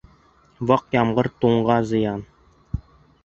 Ваҡ ямғыр туңға зыян.